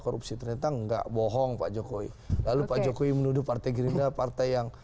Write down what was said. korupsi ternyata enggak bohong pak jokowi lalu pak jokowi menuduh partai gerindra partai yang